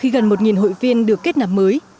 và gần một hội viên được kết nạp mới